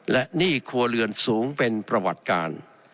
และหนี้ครัวเรือนสูงเป็นประวัติการ